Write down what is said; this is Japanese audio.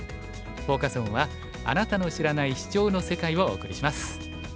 フォーカス・オンは「あなたの知らない“シチョウ”の世界」をお送りします。